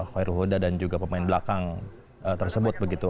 hoirul huda dan juga pemain belakang tersebut begitu